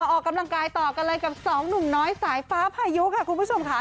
ออกกำลังกายต่อกันเลยกับสองหนุ่มน้อยสายฟ้าพายุค่ะคุณผู้ชมค่ะ